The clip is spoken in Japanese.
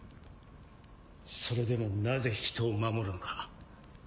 それでもなぜ人を守るのか。